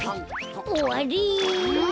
おわり！